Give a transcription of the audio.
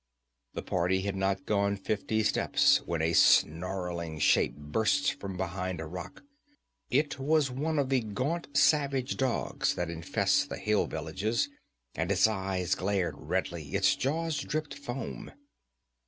The party had not gone fifty steps when a snarling shape burst from behind a rock. It was one of the gaunt savage dogs that infested the hill villages, and its eyes glared redly, its jaws dripped foam.